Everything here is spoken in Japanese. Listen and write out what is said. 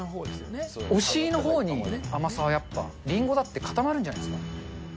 お尻のほうに、甘さはやっぱ、りんごだって固まるんじゃないですか。